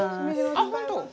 あっ本当？